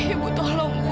ibu tolong bu